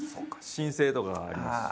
申請とかがありますしね。